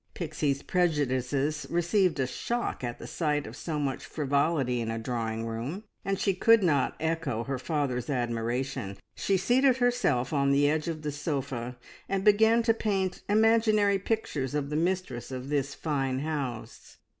Pixie's prejudices received a shock at the sight of so much frivolity in a drawing room, and she could not echo her father's admiration. She seated herself on the edge of the sofa and began to paint imaginary pictures of the mistress of this fine house.